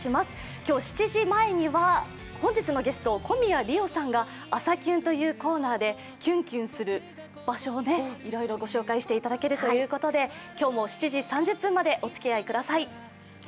今日７時前には本日のゲスト、小宮璃央さんが「あさキュン」というコーナーでキュンキュンする場所をご紹介していただけるということで今日も７時３０分までお付き合いください。